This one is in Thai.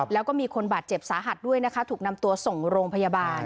แล้วก็มีคนบาดเจ็บสาหัสด้วยนะคะถูกนำตัวส่งโรงพยาบาล